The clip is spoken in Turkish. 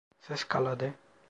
Fevkalade.